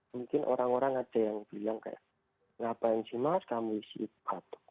mungkin orang orang ada yang bilang kenapa mas kamu isi batuk